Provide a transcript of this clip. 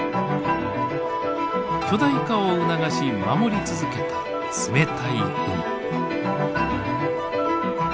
巨大化を促し守り続けた冷たい海。